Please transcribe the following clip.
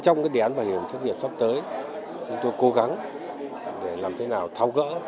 trong đề án bảo hiểm thất nghiệp sắp tới chúng tôi cố gắng để làm thế nào thao gỡ